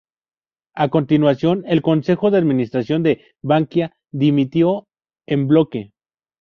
A continuación el Consejo de Administración de Bankia dimitió en bloque.